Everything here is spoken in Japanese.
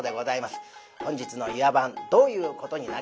本日の「湯屋番」どういうことになりますや。